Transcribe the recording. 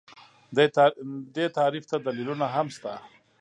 دې تعریف ته دلیلونه هم شته